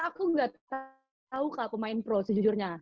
aku gak tau kak pemain pro sejujurnya